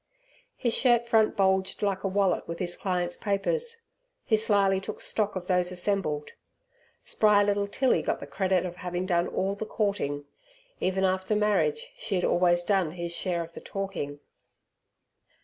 His shirt front bulged like a wallet with his clients' papers. He slyly took stock of those assembled. Spry little Tilly got the credit of having done all the courting. Even after marriage she had always done his share of the talking.